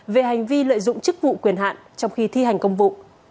về hành vi lợi dụng chức vụ quyền hạn trong khi thi hành công vụ